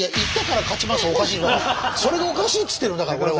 それがおかしいっつってるのだから俺は。